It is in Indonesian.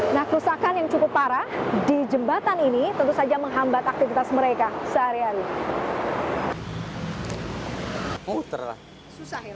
nah kerusakan yang cukup parah di jembatan ini tentu saja menghambat aktivitas mereka sehari hari